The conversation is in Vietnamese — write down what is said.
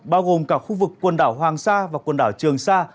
bao gồm cả khu vực quần đảo hoàng sa và quần đảo trường sa